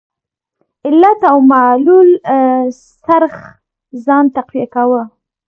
علت او معلول څرخ ځان تقویه کاوه.